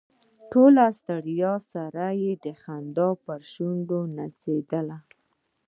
له ټولې ستړیا سره یې خندا پر شونډو نڅېدله.